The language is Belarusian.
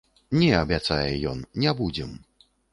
Не, абяцае ён, не будзем.